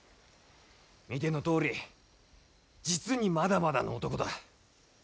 見てのとおり実にまだまだの男だ。